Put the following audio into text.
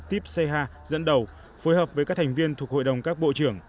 tip seha dẫn đầu phối hợp với các thành viên thuộc hội đồng các bộ trưởng